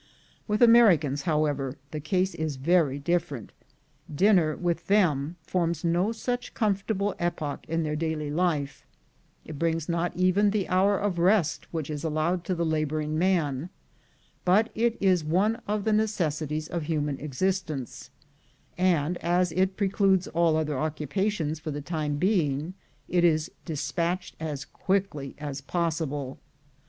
With Americans, however, the case is very different. Dinner with them forms no such comfortable epoch in their daily life: it brings not even the hour of rest which is allowed to the laboring man — but it is one of the necessities of human existence, and, as it pre cludes all other occupations for the time being, it is despatched as quickly as possible.